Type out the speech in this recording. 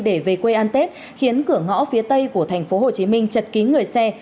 để về quê an tết khiến cửa ngõ phía tây của thành phố hồ chí minh chật kín người xe